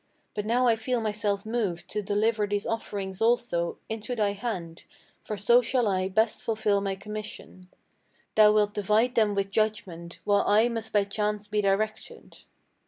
But now I feel myself moved to deliver these offerings also Into thy hand; for so shall I best fulfil my commission. Thou wilt divide them with judgment, while I must by chance be directed.'